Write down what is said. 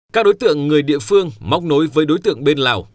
các đối tượng người địa phương móc nối với đối tượng bên lào